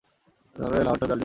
তা হলে লাহোরটা আর জুড়ায় না।